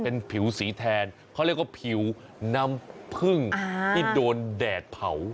เป็นผิวสีแทนเขาเรียกว่าผิวน้ำพึ่งที่โดนแดดเผา